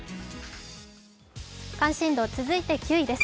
関心度、続いて９位です。